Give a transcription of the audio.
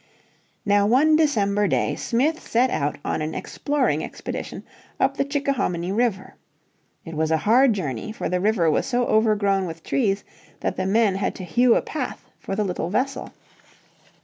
Now one December day Smith set out on an exploring expedition up the Chickahominy River. It was a hard journey, for the river was so overgrown with trees that the men had to hew a path for the little vessel.